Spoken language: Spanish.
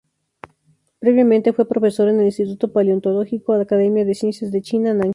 Previamente fue profesor en el Instituto Paleontológico, Academia de Ciencias de China, Nankín.